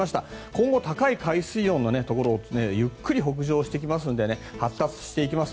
今後、高い海水温のところをゆっくり北上していきますので発達していきます。